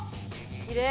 きれい。